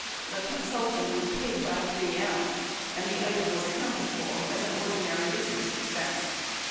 The consultant was paid by 3 M, and the item was accounted for as an ordinary busi ness expense.